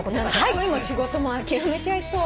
恋も仕事も諦めちゃいそう。